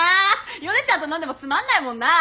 ヨネちゃんと飲んでもつまんないもんな。